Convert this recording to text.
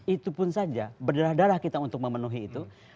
itu pun saja berdarah darah kita untuk memenuhi itu